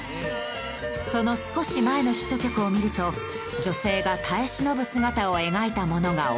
その少し前のヒット曲を見ると女性が耐え忍ぶ姿を描いたものが多かった。